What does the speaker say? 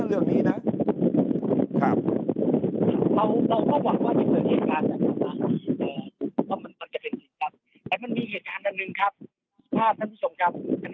เรื่องนี้นะ